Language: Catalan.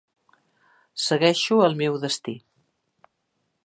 Segueixo el meu destí.